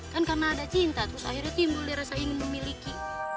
kan karena ada cinta terus akhirnya timbul dia rasa ingin memiliki